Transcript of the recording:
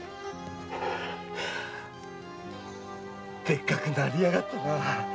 でっかくなりやがったな。